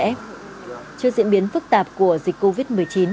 trong những diễn biến phức tạp của dịch covid một mươi chín